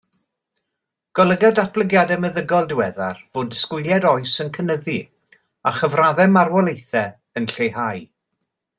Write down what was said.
Golyga datblygiadau meddygol diweddar fod disgwyliad oes yn cynyddu, a chyfraddau marwolaethau yn lleihau.